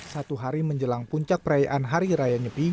satu hari menjelang puncak perayaan hari raya nyepi